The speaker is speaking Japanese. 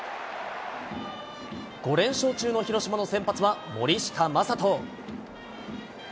５連勝中の広島の先発は森下暢仁。